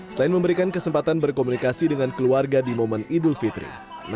selain memberikan kesempatan berkomunikasi dengan keluarga di momen idul fitri